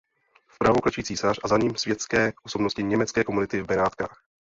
Vpravo klečí císař a za ním světské osobnosti německé komunity v Benátkách.